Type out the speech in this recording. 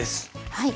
はい。